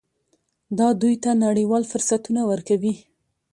دا دوی ته نړیوال فرصتونه ورکوي.